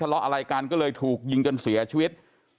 ละอะไรกันก็เลยถูกยิงจนเสียชีวิต